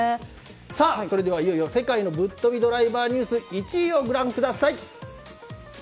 それでは世界のぶっとびドライバーニュースランキング１位をご覧ください。